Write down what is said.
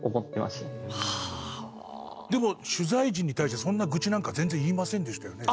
でも取材陣に対してそんな愚痴なんか全然言いませんでしたよね。